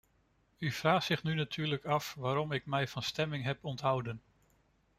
U vraagt zich nu natuurlijk af waarom ik mij van stemming heb onthouden.